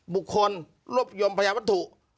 บุคคลรวบรวมพยาวัตถุ